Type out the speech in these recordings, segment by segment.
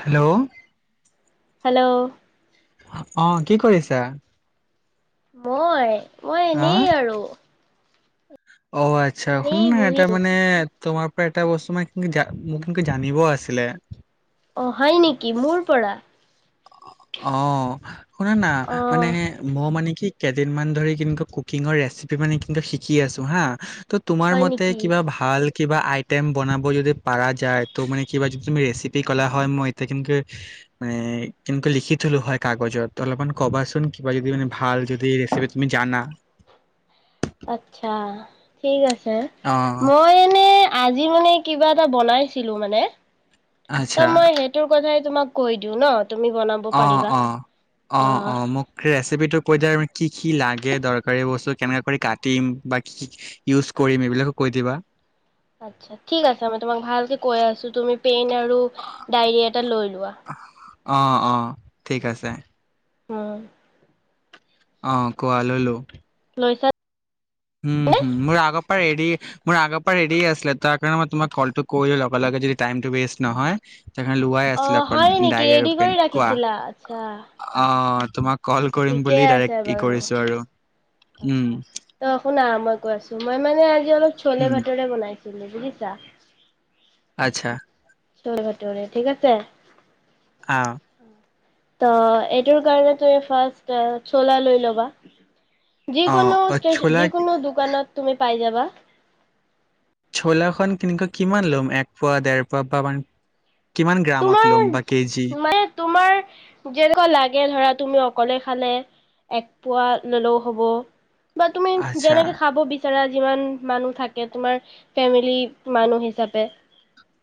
Hello. Hello. অঁ, কি কৰিছা। মই ও অ এনেই আৰু। অ আচ্ছা। শুনা এনেই না, বহি এটা আছো। মানে তোমাৰ পৰা এটা বস্তু মই কিন্তু মোক কিন্তু জানিবও আছিলে। অঁ হয় নেকি? মোৰ পৰা? অ শুনা না অ মানে মই মানে কি কেইদিনমান ধৰি কিন্তু কুকিঙৰ ৰেচিপি মানে কিন্তু শিকি আছো হা ত' তোমাৰ হয় মতে নেকি কিবা ভাল কিবা আইটেম বনাব যদি পাৰা যায় তো মান কিবা যদি তুমি ৰেচিপি কলা হয় মই এতিয়া কিন্তু মানে কিন্তু লিখি থুলো হয় কাগজত অলপমান কবাচোন কিবা যদি মান ভাল যদি ৰেচিপি তুমি জানা আচ্ছা ঠিক আছে অ মই এনেই আজি মানে কিবা এটা বনাইছিলো মানে ত আচ্ছা মই সেইটোৰ কথাই তোমাক কৈ দিওঁ ন তুমি বনাব অ পাৰিবা অ অ অ মোক সেই ৰেচিপিটো কৈ দিয় কি কি লাগে দৰকাৰী বস্তু কেনেকা কৰি কাটিম বা কি ইউজ কৰিম এইবিলাকো কৈ দিবা আচ্ছা পেইন আৰু ডায়ৰি এটা লৈ লোৱা অ অ ঠিক আছে অ অ কোৱা ললো লৈছা উম হ মোৰ আগৰ পৰা ৰেড মোৰ আগৰ পৰা ৰেড আছিলে তাৰ কাৰণে মই তোমাক কলটো কৰিলো লগে লগে যদি টাইমটো ৱেষ্ট নহয় সেই লোৱাই অ আছিলে অকল হয় নেকি ডায়ৰি আৰু ৰেডি পেন কৰি কোৱা ৰাখিছিলা আচ্ছা অ তোমাক কল কৰিম ঠিকে বুলি আছে ডাইৰেক্ট কি বাৰু কৰিছো আৰু উম আচ্ছা ত শুনা মই কৈ আছো মই মানে অলপ চলে উম, ভটোৰে বনাই ছিলো বুজিছা আচ্ছা চলে ভাটৰে ঠিক আছে অ ত এইটোৰ কাৰণে তুমি ফাৰ্ষ্ট চলা লৈ ল'বা অ', যিকোনো অ ছোলা যিকোনো দোকানত তুমি পাই যাবা বা ভলাখন কনেকৈ কিমান ল'ম এক পোৱা, দেৰ পোৱা বা মান কিমান গ্ৰামত তোমাৰ ল'ম বা কেজি মানে তোমাৰ যেনেকুৱা লাগে ধৰা তুমি অকলে খালে এক পোৱা ললেও হ'ব বা তুমি আচ্ছা যেনেকে খাব বিচৰা যিমান মানুহ থাকে তোমাৰ ফেমিলি মানুহ হিচাপে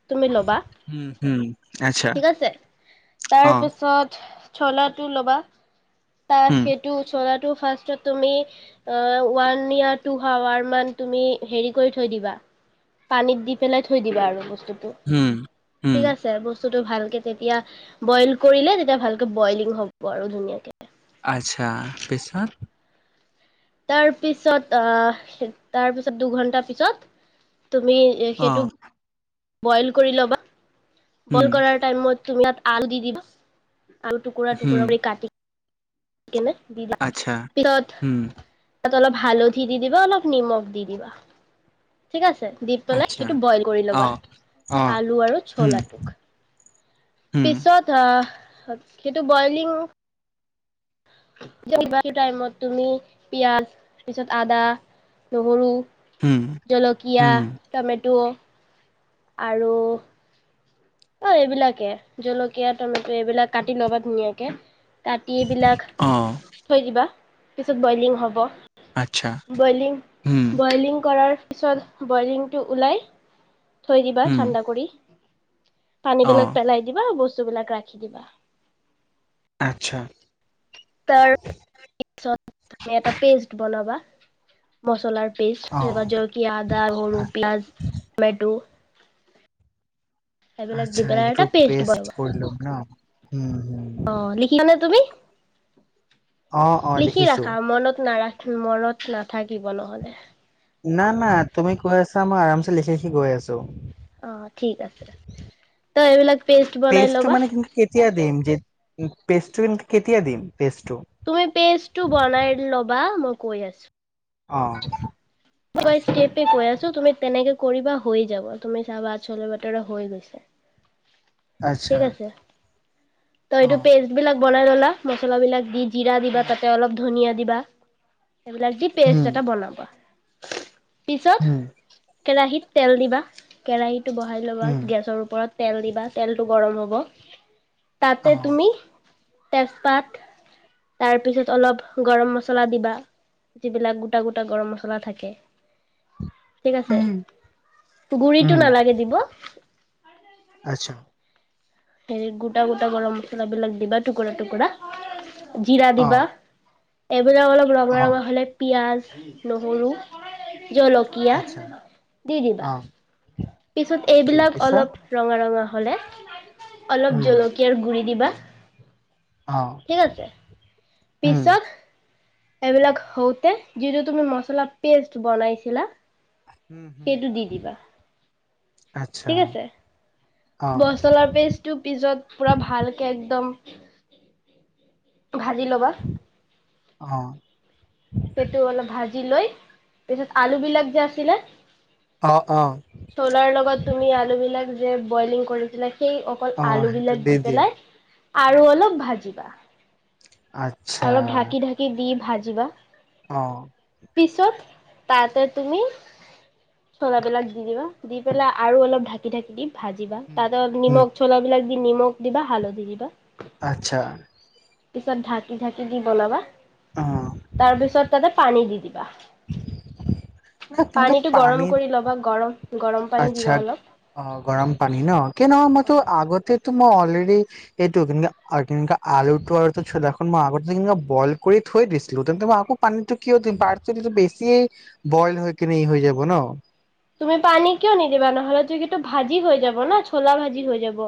তুমি ল'বা উম হম ঠিক আছে তাৰ পাছত চলা টো ল'বা তাৰ হুম সেইটো চল তু পাচত তুমি ৰ ওৱান য়া টু আৱাৰ মান তুমি হে কৰি থৈ দিবা পানীত দি পেলাই থৈ দিবা। বস্তুটো হম হম ঠিক আছে বস্তুটো ভালকে তেতিয়া বইল কৰিলে তেতিয়া ভালকে বইলিং হ'ব আৰু ধুনীয়াকে আচ্ছা পেছত তাৰ পিছত আহ তাৰপিছত দুঘন্টাৰ পিছত তুমি অ সেইটো। বইল কৰি ল'বা। হুম বল কৰাৰ টাইমত তুমি ইয়াত আলু দিদি বা আলু টুকুৰা হুম টুকুৰা বুলি কাটি কনে দি আচ্ছা পিছত হুম অলপ হালধি দি দিবা অলপ নিমখ দি দিবা। ঠিক আছে দি পেলাই আচ্ছা সেইটো বইল কৰি অ ল'বা অ আলু আৰু হুম চৌলাটোক হুম পিছোত আ সেইটো বইলিং কিব টাইমত তুমি পিয়াজ তাৰপিছত আদা নহৰু হুম জলকীয়া হুম টমেটো আৰু অ' এইবিলাকে জলকীয়া টমেট এইবিলাক কাটি ল'বা ধুনীয়াকে। কাট এইবলাক অ থৈ দিবা। পিছত বইলিং হ'ব। আচ্ছা বইলিং হুম বইলিং কৰাৰ তাৰ পিছত বইলিংটো ওলায়। থৈ দিবা হুম ঠাণ্ডা কৰি। পানী অ বিলাক পেলাই দিবা বস্তু। বস্তুবলাক ৰাখি দিবা। আচ্ছা তাৰ পিছত। তুমি এটা পেষ্ট বনাবা মছলাৰ। অ পিয়াজ জলকি আদা হলু পিয়াজ টমেটটো দি আচ্ছা পেলাই একো এটা পেষ্ট বনাবা। কৰিলম ন হম হম। অ' লিখিছানে [inaudible] লিখি লিখিছোঁ ৰাখা মনত নাৰাখা মনৰত নাথাকিব নহ'লে না না তুমি কৈ আছা মই আৰামচ লিখি লিখি গৈ আছো অ ঠিক আছে তই এইবিলাক পেষ্ট বনাই পেজটো লবা পেষ্টিন কেতিয়া দ দিম পেজটো তুমি পেষ্টটো বনাই লবা মোক কৈয় আছো অ কিবা আচ্ছা কেপে কৈ আছো তুমি তেনেকে কৰিবা হৈ যাব তুমি চাবা আচল বাতৰা হৈ গৈছে ঠিক আচ্ছা আছে। ত অ এইটো পেষ্ট বিলাক বনাই ললা মছলা বিলাক দি জিৰা দিবা উম তাতে অলপ ধনিয়ীয়া দিবা সেইবিলাক দি পেষ্ট উম অব পিছত উম কেৰাহীত তেল দিবা কেৰাহীত টো বহাই ল'বা উম গেছৰ ওপৰত তেল দিবা তেলটো গৰম হ'ব অ তাতে তুমি তেজপাত তাৰপিছত অলপ গৰম মছলা দিবা যিবিলাক গ গোটা গোটা গৰম মছলা থাকে ঠিক আছে উম গুৰিতটো উম নালাগে দিব আচ্ছা হেৰি গোটা গোটা গৰম মছলাবিলাক দিবা টুকুৰা টুকুৰা জিৰা অ দিবা আপজা অলপ ৰঙা অ ৰঙা হ'লে পিঁয়াজ নহৰু জলকীয়া আচ্ছা দিদিবা অ পিছত অকে এইবিলাক পিছত অলপ ৰঙাৰঙৰ ৰঙা হ'লে অলপ উম জলকীয়াৰ গুৰি দিবা অ ঠিক আছে উম পিছত এইবিলাক হওঁতে যিটো তুমি মচলা পেষ্ট বনাইছিলা উম হম সেইটো দি দিবা আচ্ছা অ মচলাৰ পেষ্টটো পিছত পুৰা ভালকে একদম ভাজি ল'বা আহ সেইটো অলপ ভাজি লৈ পিছত আলু বিলাক যে আছিলে অ অ চলাৰ লগত তুমি আলু বিলাক যে বইলিং কৰিছিলা সেই অকল অ আলু সেইটো বিলাক দি দিম পেলাই আৰু উম, অলপ ভাজিবা আচ্ছা অলপ ঢাকি ঢাকি দি ভাজিবা অ পিছত তাতে তুমি চলাবিলাক দি দিবা দি পেলাই আৰু অলপ ঢাকি ঢাকি ভাজিবা উম তাত উম নিমখ চলা বিলাক নিমখ দিবা হালধি দিবা আচ্ছা পিছত ধা কি ধাকি দি বনাবা অ তাৰপিছত তাতে পানী দি দিবা তেনেকে পানীটো গৰম পানীত কৰি ল'বা গৰম গৰম পানী আচ্ছা দিবা অলপ অ গৰম পানী ন কিনো অ মইতো আগতে মই অলৰেডি এইটো কে কেনেকোৱা আলুটো আলু দে মই আগতে কেনেকোৱা বইল কৰি থৈ দিছিলো তেন্তে মই আকৌ পানীটো কিয় দিম পাৰছটো বেছিয়ে বইল হৈ কিনে এই হৈ যাব ন তুমি পানী কিয় নিদিবা নহলে তুমি কি ভাজি হৈ যাব ন চোলা ভাজি হৈ যাব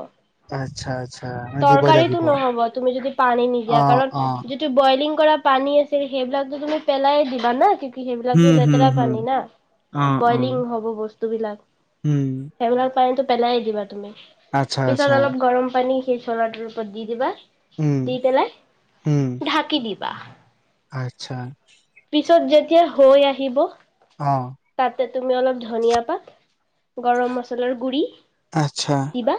আচ্ছা আচ্ছা মানে দিবই তৰকাৰীটো লাগিব নহ'ব তুমি যদি পানী অ নিদিয়া কাৰণ অ যিটো বইলিং কৰা পানী আছিল সেইবিলাকো তুমি পেলাই দিবা না সেইবাক টো হম হম লেতেৰা হম পানি না অ অ বইলিং হব বস্তুবিলাক উম সেবিলাকৰ পানীটো পেলাই দিবা তুমি আচ্ছা পিছত আচ্ছা অলপ গৰম পানী সেই চলাটোৰ ওপৰত দি দিবা উম দি পেলাই উম ঢাকি দি ৱাহ আচ্ছা পিছত যেতিয়া হৈ আহিব অ তাতে তুমি অলপ ধনিয়া পাত গৰম মছলাৰ গুৰি আচ্ছা দিবা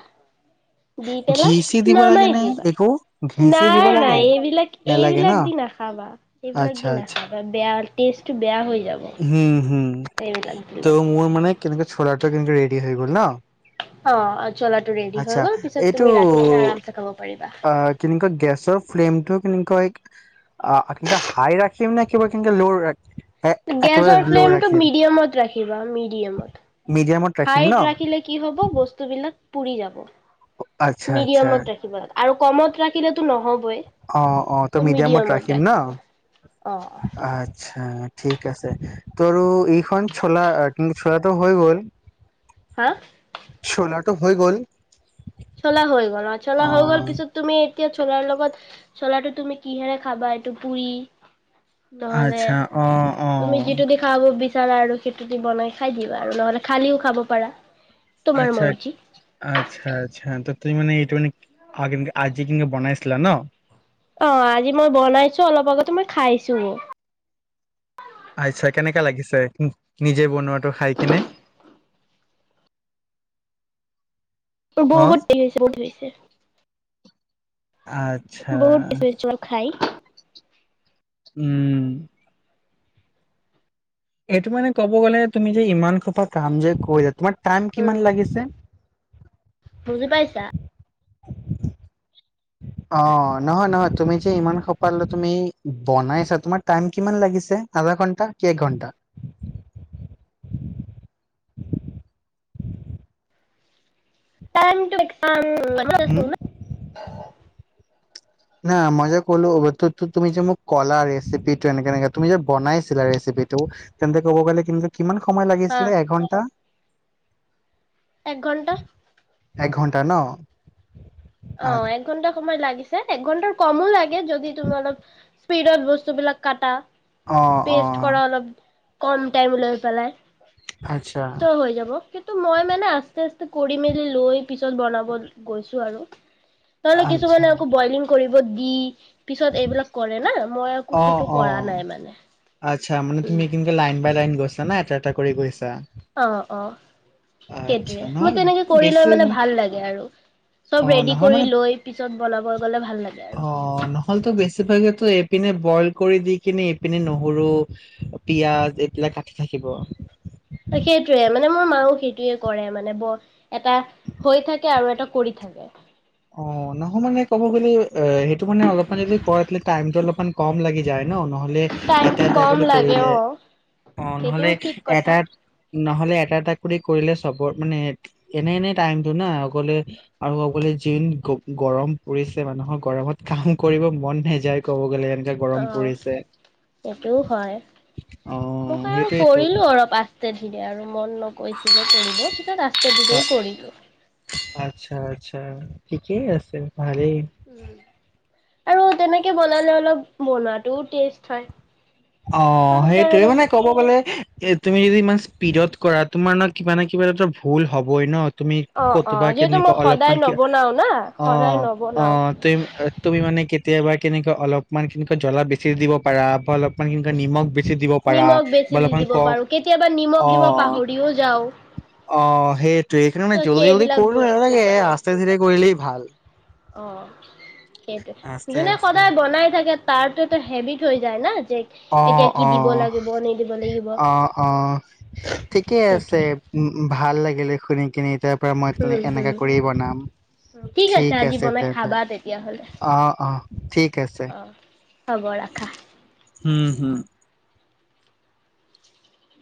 দি পেলা ঘি চি দিব লাগে নামাই নে দিবা একো ঘি চি দিব নাই নাই লাগে এইবিলাক নেলাগে ন এইবিলাক দি নাখাবা এইবিলাক আচ্ছা দি আচ্ছা নাখাবা আ বেয়া টেষ্টটো বেয়া হৈ যাব হুম হুম এইবিলাক দিলে। ত মোৰ মানে কেনেকে কিন্তু ৰেডি হৈ গ'ল ন অ জলা টো ৰেডি হৈ আচ্ছা গ'ল পিছত এইটো তুমি ৰাখি কিনে আৰামছে খাব পাৰিবা। অ কেনেকুৱা গেছৰ ফ্লেমটো কেনেকৈ কেনেকা হাই ৰাখিম নে কিবা কেনেকে ল' ৰাখি গেছৰ ফ্লেমটো মিডিয়ামত ৰাখিবা মিডিয়ামত মিডিয়ামত ৰাখিম ন হাইত ৰাখিলে কি হব বস্তুবিলাক পুৰি যাব আচ্ছা আচ্ছা মিডিয়ামত ৰাখিবা আৰু কমত ৰাখিলেটো নহ'ব অ অ ত' মিডিয়ামত ৰাখিম ন ৰাখিব। অ' আচ্ছা ঠিক আছে তোৰো এইখন চোলা চোৰাটো হৈ গ'ল হা চলাটো হৈ গ'ল চোলা হৈ গ'ল আৰু চোলা অ হৈ গল পিছত তুমি এতিয়া চোলাৰ লগত, চোলাটো তুমি কিহেৰে খাবা এইটো পুৰি। নহ'লে আচ্ছা অ অ তুমি যিটো দিখাব বিচ বিচাৰা আৰু খেইটো বনাই খাই দিওঁ আৰু নহলে খালিও খাব পাৰা। তোমাৰ মৰ্জি। আচ্ছা-আচ্ছা-আচ্ছা, তুমি মান এইটো মান আজি কিন্তু বনাইছিলা ন। অ' আজি মই বনাইছো অলপ আগতে মই খাইছো। আচ্ছা, কেনেকা লাগিছে নিজে বনোৱাটো খাই কিনে। অ বহুত টেষ্ট হৈছে-হৈছে, আচ্ছা [unintelligible] উম, এইটো মানে ক'ব গ'লে তুমি যে ইমান খোপা কাম যে কৰি যা, তোমাৰ টাইম উম, কিমান লাগিছে? বুজি পাইছা? আহ, নহয়-নহয় তুমি যে ইমান সপাল তুমি বনাইছা, তোমাৰ টাইম কিমান লাগিছে আধা ঘন্টা কে একঘন্টা? টাইম টো উম [unintelligible] না মই যে ক'লো তুমি যে মোক কলা ৰেচিপিটো, এনেকে তুমি যে বনাইছিলা ৰেচিপিটো, তেন্তে ক'ব গ'লে কিন্তু কিমান সময় অ', লাগিছিলে এঘণ্টা। এক ঘণ্টা। এক ঘণ্টা ন। অ', এক ঘন্টা সময় লাগ। লাগিছে, এক ঘণ্টাৰ কমো লাগ যদি তুমি অলপ স্পিডত বস্তুবিলাক কাতা, অ অ পেষ্ট কৰা অলপ কম টাইম লৈ পেলাই, আচ্ছা ত হৈ যাব কিন্তু মই মানে আস্তে, আ কৰি মেলি লৈ পিছত বনাব গৈছো আৰু। নহলে, আচ্ছা কিছুমানে আকৌ বইলিং কৰিব দি, পিছত এইবিলাক কৰে না। মই একো সেইটো কৰা নাই মানে। আত্চ্ছা, মান তুমি কি লাইন বাই লাইন গৈছা না এটা এটা কৰি গৈছা। অ অ আচ্ছা সেইটোৱে মোৰ নহয় তেনেকে কৰি লৈ বেছি মানে ভাল লাগে আৰু অ চব ৰেডি নহয় কৰি মানে লৈ পিছত বনাব গলে ভাল লাগে অ আৰু নহ'লেতো বেছিভাগেতো এইপিনে বইল কৰি দি কিননে এইপিনে ন সৰু পিয়াঁজ এইবিলাক কাটি থাকিব সেইটোৱে মানে মোৰ মাও সেইটোয়ে কৰে মানে বৰ এটা হৈ থাকে আৰু এটা কৰি থাকে অ নহয় মানে ক'ব গ'লে অ সেইটো মানে অলপ যদি ক টাইমটো অলপ কম লাগি যায় ন নহলে এটা টাইমটো এটা কম কৰি লাগে কৰিলে অ', অ নহলে সেইটোও ঠিক কথা এটা নহ'লে এটা এটা কৰি কৰিলে চবৰ মানে এনে এনে টাইমটো না অগলে আৰু অগলে যোন গৰম পৰিছে মানুহৰ গৰমত কাম কৰিব মন নাযায় ক'ব গ'লে এনেকে অ গৰম পৰিছে সেইটোও হয় মই অ' আৰু সেইটোয়েতো কৰিলো অলপ আজতে ধীৰে আৰু মন নকৈছিল যে কৰিলোঁ পিছত আচথে আ দিলে কৰিলোঁ আচ্ছা আচ্ছা ঠিকেই আছে ভালেই আৰু তেনেকে বনালে অলপ বনাতটোও টেষ্ট হয় অ তাৰ সেইটয়ে কাৰণে মানে কব গলে এ তুমি যদি ইমান স্পীডত কৰা তোমাৰ ন কিবা ন কিবা এৰ ভুল হ'বই ন তুমি অ', কতো বা অ', যিহেতু কেনেুৱা মই অলপমান সদায় নবনাও না অ সদায় অ নবনাও তুমি মানে কেতিয়া কেতিয়াবা কেনেকৈ অলপমান কেনেকৈ জ্বলা বেছি দিব পাৰা বা অলপ নিমখ নিমখ বেছি দি অলপমান দিব কম পাৰো কেতিয়াবা অ নিমখ দিব পাহৰিও যাওঁ অ সেইটো এইকাৰণে ত' জল্দি জল্দি সেইবিলাক কৰিলো বস্তু নাগে আস্ততে ধৰে কৰিলি ভাল অহ সেইটোৱে আস্তে যোনে আস্তে সদায় বনাই থাকে তাৰতো হেভিত হৈ যায় না যে অ এতিয়া কি অ দিব লাগিব নিদিব লাগিব অ অ ঠিকেই আছে সেইটোৱে উ ভাল লাগে শুনি কিনি এতিয়া তাৰ মই উম, এনেকা হম। কৰি বনাম ঠিক আজি আছে বনাই তে দে খাবা তেতিয়াহ'লে অ অ ঠিক আছে অ হ'ব ৰাখা উম হম